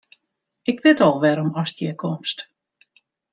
Ik wit al wêrom ast hjir komst.